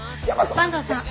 坂東さん